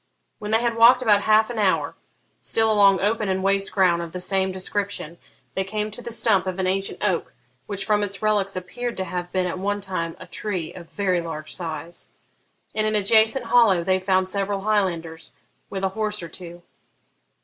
When they had walked about half an hour, still along open and waste ground of the same description, they came to the stump of an ancient oak, which, from its relics, appeared to have been at one time a tree of very large size. In an adjacent hollow they found several Highlanders, with a horse or two.